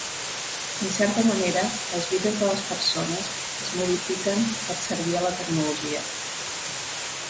En certa manera, les vides de les persones es modifiquen per servir a la tecnologia.